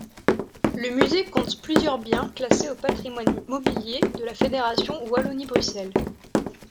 Le musée compte plusieurs biens classés au patrimoine mobilier de la Fédération Wallonie-Bruxelles.